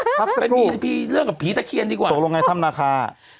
พักสักครู่ตกลงไงท่ามนาคาไปมีพี่เรื่องกับผีตะเคียนดีกว่า